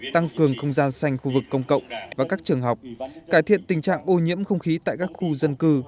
tăng cường không gian xanh khu vực công cộng và các trường học cải thiện tình trạng ô nhiễm không khí tại các khu dân cư